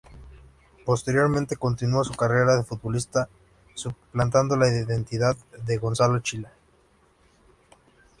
Posteriormente continuó su carrera de futbolista suplantando la identidad de Gonzalo Chila.